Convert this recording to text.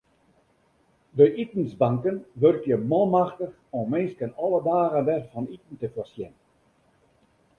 De itensbanken wurkje manmachtich om minsken alle dagen wer fan iten te foarsjen.